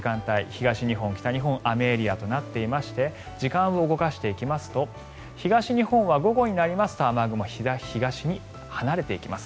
東日本、北日本雨エリアとなっていまして時間を動かしていきますと東日本は午後になりますと雨雲、東に離れていきます。